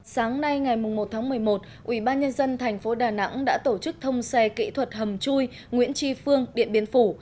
sáng nay ngày một tháng một mươi một ubnd tp đà nẵng đã tổ chức thông xe kỹ thuật hầm chui nguyễn tri phương điện biên phủ